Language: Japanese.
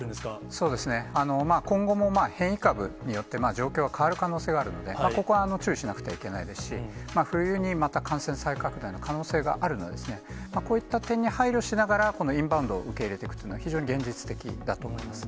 そうですね、今後も、変異株によって、状況は変わる可能性はあるので、ここは注意しなくてはいけないですし、冬に、また感染再拡大の可能性があるので、こういった点に配慮しながら、インバウンドを受け入れていくというのは、非常に現実的だと思います。